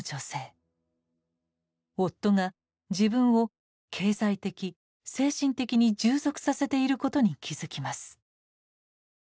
夫が自分を経済的精神的に従属させていることに気付きます。